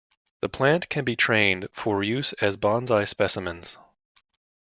The plant can be trained for use as bonsai specimens.